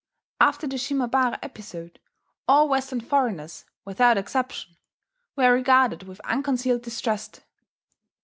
After the Shimabara episode all Western foreigners, without exception, were regarded with unconcealed distrust.